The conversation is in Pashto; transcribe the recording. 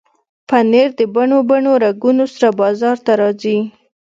پنېر د بڼو بڼو رنګونو سره بازار ته راځي.